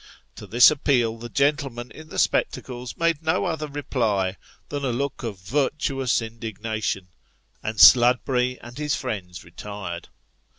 To this appeal the gentleman in the spectacles made no other reply than a look of virtuous indignation ; and Sludberry and his friends retired.